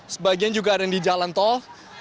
sebagian juga ada yang di jalan tol